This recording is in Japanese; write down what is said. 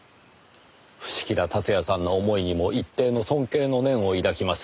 伏木田辰也さんの思いにも一定の尊敬の念を抱きます。